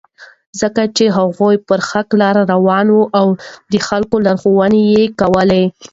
ځکه چې هغوی پر حقه لاره روان وو او د خلکو لارښوونه یې کوله.